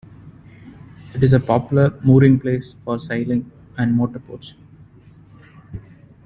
It is a popular mooring place for sailing and motor boats.